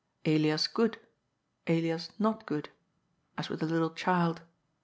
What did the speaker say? *^ Elias good," ^ Elias not good "— as with a little child.